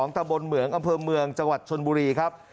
ตะบนเหมืองอำเภอเมืองจังหวัดชนบุรีครับ